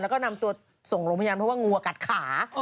แล้วก็นำตัวส่งโรงพยาบาลเพราะว่างูกัดขา